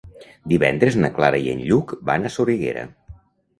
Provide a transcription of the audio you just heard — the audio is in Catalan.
Divendres na Clara i en Lluc van a Soriguera.